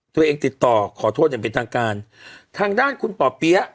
ตัวเองติดต่อขอโทษอย่างเป็นทางการทางด้านคุณป่อเปี๊ยะ